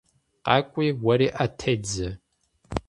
КъакӀуи, уэри Ӏэ тедзэ.